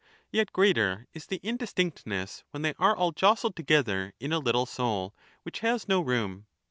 Yet greater is the indistinctness when they are all jostled together in a little soul, which has no room.